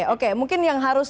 oke mungkin yang harus